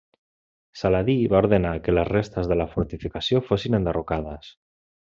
Saladí va ordenar que les restes de la fortificació fossin enderrocades.